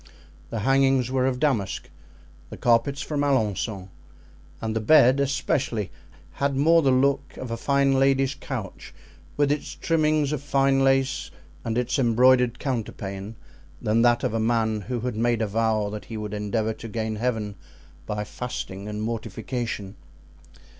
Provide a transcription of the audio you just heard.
The hangings were of damask, the carpets from Alencon, and the bed, especially, had more the look of a fine lady's couch, with its trimmings of fine lace and its embroidered counterpane, than that of a man who had made a vow that he would endeavor to gain Heaven by fasting and mortification.